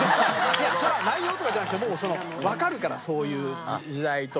いやそれは内容とかじゃなくてわかるからそういう時代とそれのなんか。